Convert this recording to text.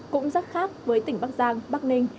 cũng rất khác với tỉnh bắc giang bắc ninh